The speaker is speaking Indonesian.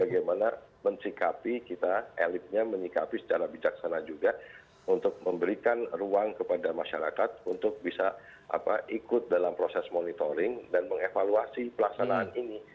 bagaimana mensikapi kita elitnya menyikapi secara bijaksana juga untuk memberikan ruang kepada masyarakat untuk bisa ikut dalam proses monitoring dan mengevaluasi pelaksanaan ini